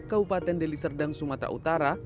kabupaten deliserdang sumatera utara